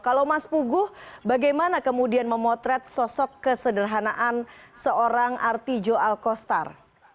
kalau mas puguh bagaimana kemudian memotret sosok kesederhanaan seorang artijo alkostar